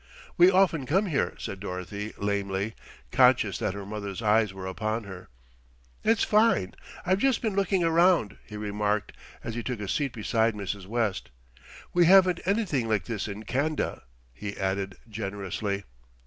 "We often come here," said Dorothy lamely, conscious that her mother's eyes were upon her. "It's fine. I've just been looking around," he remarked, as he took a seat beside Mrs. West. "We haven't anything like this in Can'da," he added generously.